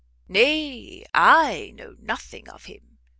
"Nay, I know nothing of him!